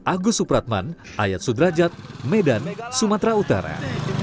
agus supratman ayat sudrajat medan sumatera utara